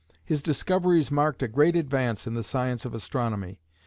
His discoveries marked a great advance in the science of astronomy.